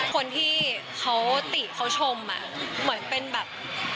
คนที่เขาติเขาชมเหมือนเป็นแบบ